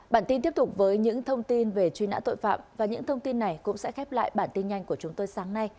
bản tin tiếp tục với những thông tin về truy nã tội phạm và những thông tin này cũng sẽ khép lại bản tin nhanh của chúng tôi sáng nay